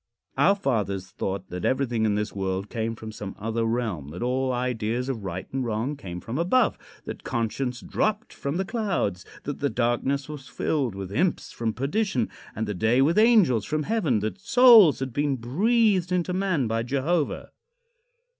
Our fathers thought that everything in this world came from some other realm; that all ideas of right and wrong came from above; that conscience dropped from the clouds; that the darkness was filled with imps from perdition, and the day with angels from heaven; that souls had been breathed into man by Jehovah.